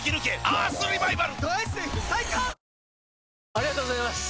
ありがとうございます！